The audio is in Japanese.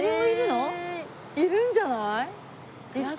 いるんじゃない？